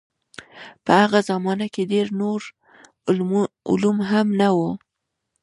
په هغه زمانه کې ډېر نور علوم هم نه وو.